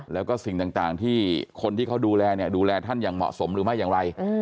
แล้วก็สิ่งต่างที่คนที่เขาดูแลเนี่ยดูแลท่านอย่างเหมาะสมหรือไม่อย่างไร